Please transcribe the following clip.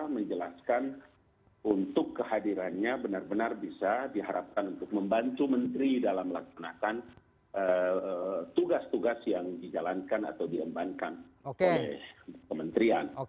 menjelaskan untuk kehadirannya benar benar bisa diharapkan untuk membantu menteri dalam melaksanakan tugas tugas yang dijalankan atau diembankan oleh kementerian